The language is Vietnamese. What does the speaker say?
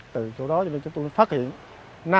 từ chỗ đó chúng tôi đã phát hiện